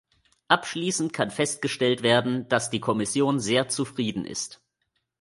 Abschließend kann festgestellt werden, dass die Kommission sehr zufrieden ist.